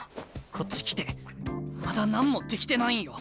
こっち来てまだ何もできてないんよ。